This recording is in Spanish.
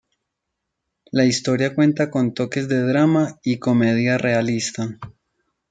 La historia cuenta con toques de drama y comedia realista.